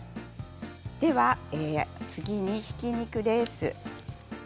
次にひき肉です。